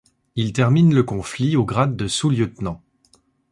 Il termine le conflit au grade de sous-lieutenant.